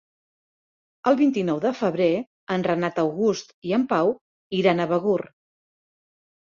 El vint-i-nou de febrer en Renat August i en Pau iran a Begur.